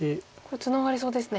ツナがりそうですね。